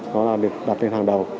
nó là được đặt lên hàng đầu